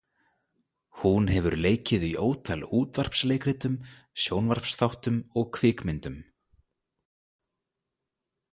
Hún hefur leikið í ótal útvarpsleikritum, sjónvarpsþáttum og kvikmyndum.